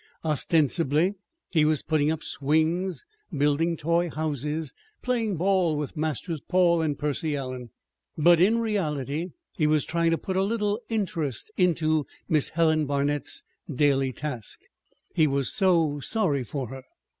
Ostensibly he was putting up swings, building toy houses, playing ball with Masters Paul and Percy Allen; but in reality he was trying to put a little "interest" into Miss Helen Barnet's daily task. He was so sorry for her!